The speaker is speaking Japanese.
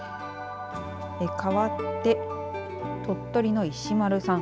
かわって鳥取の石丸さん。